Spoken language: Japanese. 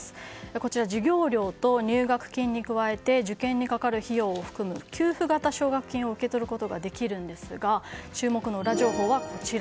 こちら、授業料と入学金に加えて受験にかかる費用を含む給付型の奨学金を受け取ることができるんですが注目のウラ情報はこちら。